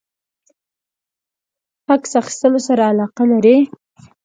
عکس اخیستلو سره علاقه لری؟